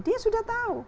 dia sudah tahu